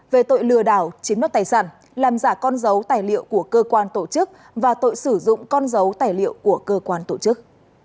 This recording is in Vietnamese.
về tội lừa đảo chiếm đoạt tài sản làm giả con dấu tài liệu của cơ quan tổ chức và tội sử dụng con dấu tài liệu của cơ quan tổ chức